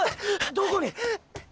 どこに！